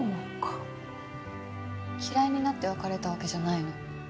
嫌いになって別れたわけじゃないの。